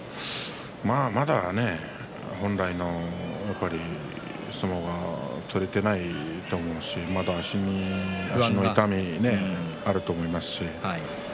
まだ本来の相撲が取れていないと思うしまだ足の痛みがあると思いますし。